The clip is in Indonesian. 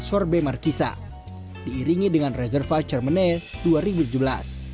sorbet markisa diiringi dengan reserva charmenel dua ribu tujuh belas